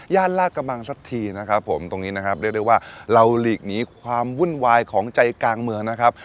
ลาดกระบังสักทีนะครับผมตรงนี้นะครับเรียกได้ว่าเราหลีกหนีความวุ่นวายของใจกลางเมืองนะครับ